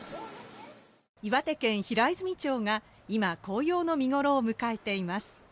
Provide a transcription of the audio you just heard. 岩手県平泉町が今紅葉の見頃を迎えています